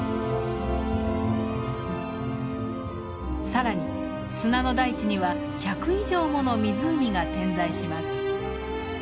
さらに砂の大地には１００以上もの湖が点在します。